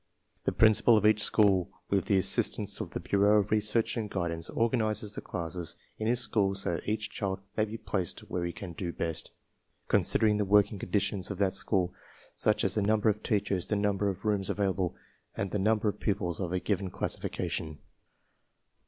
(The principal of each school, with the assistance of the Bureau of Research and Guidance, organizes the classes in his school so that each child may be placed where he ^cajijiaJbest^considering the working, conditions of that school, such as the number of teachers, the number of ""rooms available, .and the number of pupils of a given "'classification.